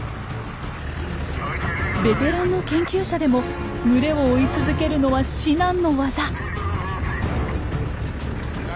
ベテランの研究者でも群れを追い続けるのは至難の業。